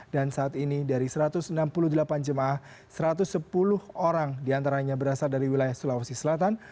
dan saat ini dari satu ratus enam puluh delapan jemaah satu ratus sepuluh orang diantaranya berasal dari wilayah sulawesi selatan